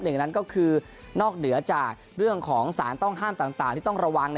หนึ่งงานก็คือนอกเหนือจากเรื่องของสารต้องห้ามต่าง